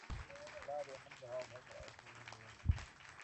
پلار یې هم ځواب ورکړ او ښه ورځ یې ورته وغوښته.